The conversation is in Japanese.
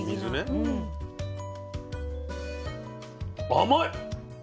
甘い！